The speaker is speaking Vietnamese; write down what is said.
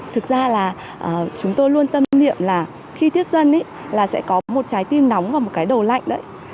thực ra là chúng tôi luôn tâm niệm là khi tiếp dân là sẽ có một trái tim nóng và một cái đầu lạnh đấy